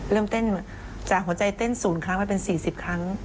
เริ่มเต้นจากหัวใจเต้น๐ครั้งไปเป็น๔๐ครั้ง